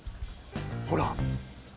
ほら。